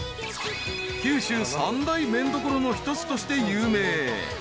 ［九州三大麺どころの一つとして有名］